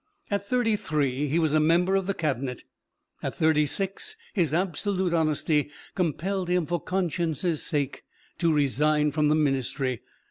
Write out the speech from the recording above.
At thirty three, he was a member of the Cabinet. At thirty six, his absolute honesty compelled him for conscience' sake to resign from the Ministry.